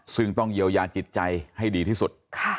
ซึ่งต้องเยียวยาจิตใจให้ดีที่สุด